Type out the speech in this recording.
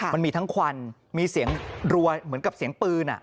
มันมีทั้งควันมีเสียงรัวเหมือนกับเสียงปืน